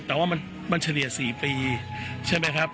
แต่ว่ามันเฉลี่ย๔ปีใช่ไหมครับ